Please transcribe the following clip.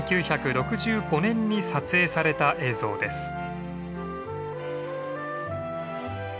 １９６５年に撮影された映像です。